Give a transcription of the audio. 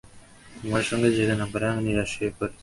তোমার সঙ্গে যেতে না পেরে আমি নিরাশ হয়ে পড়েছি।